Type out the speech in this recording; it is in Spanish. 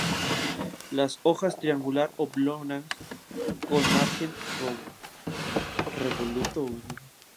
Las hojas triangular-oblongas, con margen revoluto.